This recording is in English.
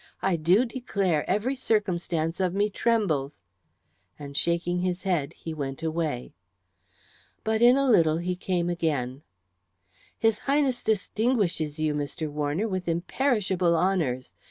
"I do declare every circumstance of me trembles," and shaking his head he went away. But in a little he came again. "His Highness distinguishes you, Mr. Warner, with imperishable honours.